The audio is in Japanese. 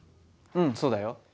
うんそうだよ。